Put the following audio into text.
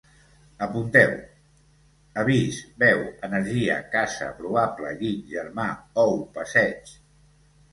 Apunteu: avís, veu, energia, caça, probable, llit, germà, ou, passeig